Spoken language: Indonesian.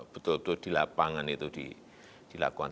betul betul di lapangan itu dilakukan